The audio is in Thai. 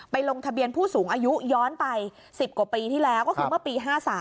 ลงทะเบียนผู้สูงอายุย้อนไป๑๐กว่าปีที่แล้วก็คือเมื่อปี๕๓